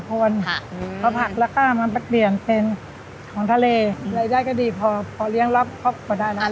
พอผักแล้วก็มันเปลี่ยนเป็นของทะเลรายได้ก็ดีพอเลี้ยงรับเขาก็ได้แล้ว